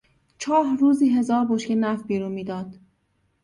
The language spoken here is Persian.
چاه روزی هزار بشکه نفت بیرون میداد.